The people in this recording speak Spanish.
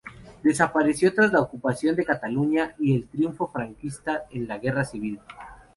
Desapareció tras la ocupación de Cataluña y el triunfo franquista en la Guerra Civil.